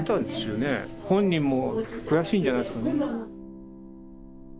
本人も悔しいんじゃないですかね。